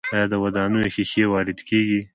آیا د ودانیو ښیښې وارد کیږي؟